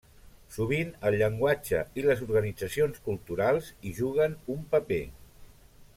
Sovint, el llenguatge i les organitzacions culturals hi juguen un paper.